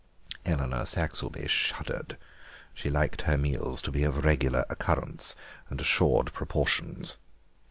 Eleanor Saxelby shuddered. She liked her meals to be of regular occurrence and assured proportions.